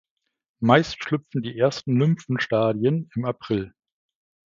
Meist schlüpfen die ersten Nymphenstadien im April.